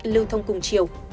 lưu thông cùng chiều